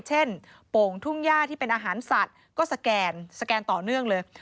โป่งทุ่งย่าที่เป็นอาหารสัตว์ก็สแกนสแกนต่อเนื่องเลย